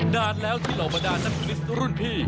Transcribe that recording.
นานแล้วที่เหล่าบรรดานักคริสต์รุ่นพี่